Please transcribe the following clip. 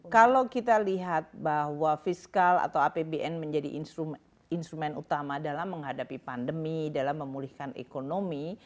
kalau kita lihat bahwa fiskal atau apbn menjadi instrumen utama dalam menghadapi pandemi dalam memulihkan ekonomi